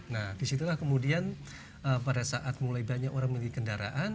nah disitulah kemudian pada saat mulai banyak orang memiliki kendaraan